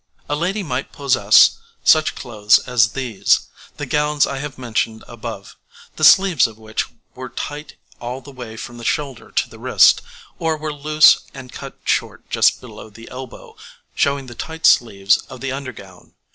A lady might possess such clothes as these: the gowns I have mentioned above, the sleeves of which were tight all the way from the shoulder to the wrist, or were loose and cut short just below the elbow, showing the tight sleeves of the under gown.